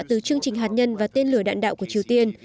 từ chương trình hạt nhân và tên lửa đạn đạo của triều tiên